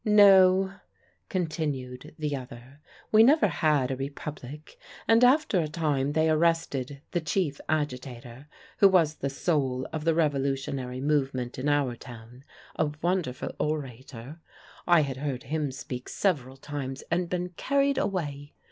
"No," continued the other; "we never had a Republic, and after a time they arrested the chief agitator, who was the soul of the revolutionary movement in our town, a wonderful orator. I had heard him speak several times and been carried away.